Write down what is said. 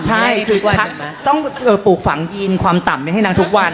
ใช่คือต้องปลูกฝังยีนความต่ำไปให้นางทุกวัน